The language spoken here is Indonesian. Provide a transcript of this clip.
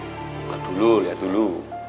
buka dulu lihat dulu